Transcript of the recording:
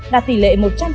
đạt tỷ lệ một trăm linh